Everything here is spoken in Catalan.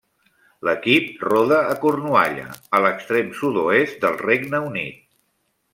L'equip roda a Cornualla a l'extrem sud-oest del Regne Unit.